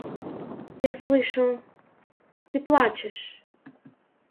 Я слышу… Ты плачешь.